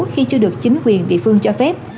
khi chưa được chính quyền địa phương cho phép